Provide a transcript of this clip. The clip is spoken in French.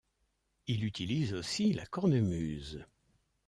Il utilise aussi la cornemuse.